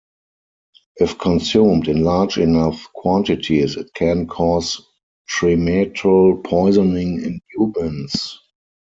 If consumed in large enough quantities, it can cause tremetol poisoning in humans.